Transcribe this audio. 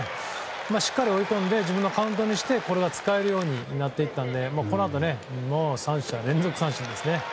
しっかり追い込んで自分のカウントにしてこれが使えるようになったのでこのあと３者連続三振ですね。